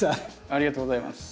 ありがとうございます。